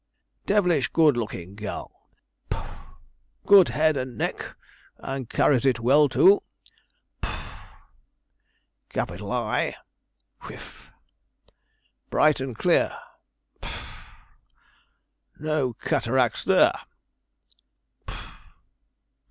'Devilish good looking girl' (puff); 'good head and neck, and carries it well too' (puff) 'capital eye' (whiff), 'bright and clear' (puff); 'no cataracts there.